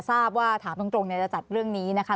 ทราบว่าถามตรงจะจัดเรื่องนี้นะคะ